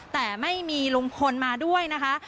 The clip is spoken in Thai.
แต่ไม่มีลุงพลมาด้วยนะคะ